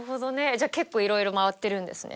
じゃあ結構色々回ってるんですね